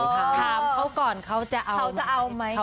ถามเค้าก่อนเค้าจะเอาไหม